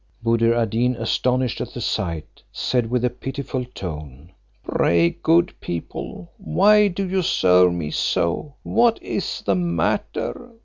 Buddir ad Deen, astonished at the sight, said with a pitiful tone, "Pray, good people, why do you serve me so? What is the matter?